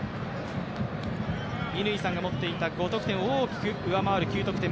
乾さんが持っていた５得点を大きく上回る９得点。